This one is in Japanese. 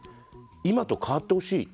今と変わってほしい」。